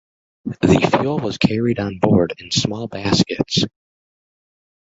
The fuel was carried on board in small baskets.